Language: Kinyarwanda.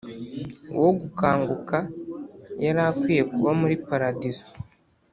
uwo gukanguka yari akwiye kuba muri paradizo,